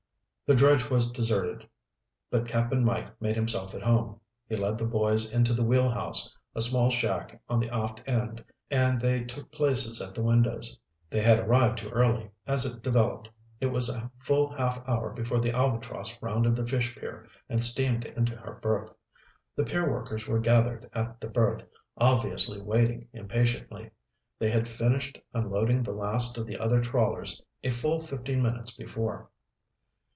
The dredge was deserted, but Cap'n Mike made himself at home. He led the boys into the wheelhouse, a small shack on the aft end, and they took places at the windows. They had arrived too early, as it developed. It was a full half hour before the Albatross rounded the fish pier and steamed into her berth. The pier workers were gathered at the berth, obviously waiting impatiently. They had finished unloading the last of the other trawlers a full fifteen minutes before.